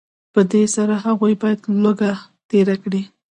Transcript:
په دې سره هغوی باید لوږه تېره کړي